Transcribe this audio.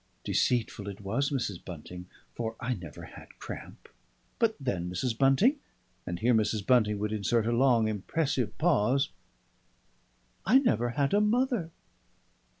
Deceitful it was, Mrs. Bunting, for I never had cramp But then, Mrs. Bunting" and here Mrs. Bunting would insert a long impressive pause "I never had a mother!"